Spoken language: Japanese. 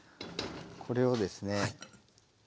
これをですね